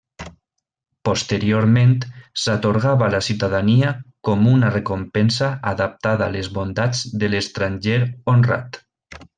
Posteriorment, s'atorgava la ciutadania com una recompensa adaptada a les bondats de l'estranger honrat.